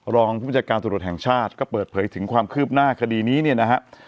รองผู้บัญชาการตรวจแห่งชาติก็เปิดเผยถึงความคืบหน้าคดีนี้เนี่ยนะฮะ